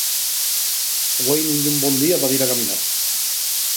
Güei nun ye un bon día pa dir a caminar.